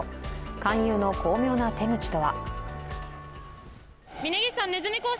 勧誘の巧妙な手口とは。